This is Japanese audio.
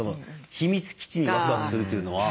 秘密基地にワクワクするというのは。